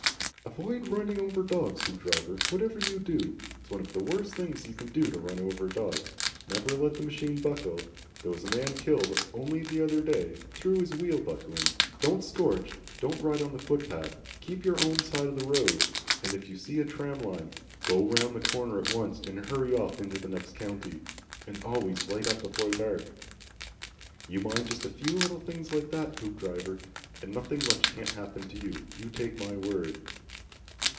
"Avoid running over dogs, Hoopdriver, whatever you do. It's one of the worst things you can do to run over a dog. Never let the machine buckle there was a man killed only the other day through his wheel buckling don't scorch, don't ride on the foot path, keep your own side of the road, and if you see a tramline, go round the corner at once, and hurry off into the next county and always light up before dark. You mind just a few little things like that, Hoopdriver, and nothing much can't happen to you you take my word."